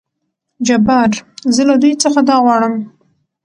جبار : زه له دوي څخه دا غواړم.